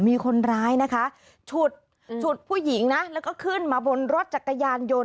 มีคนร้ายนะคะฉุดฉุดผู้หญิงนะแล้วก็ขึ้นมาบนรถจักรยานยนต์